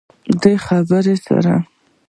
دې خبرې سره